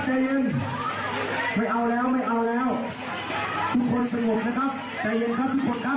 ทุกคนสงบนะครับใจเย็นครับทุกคนครับ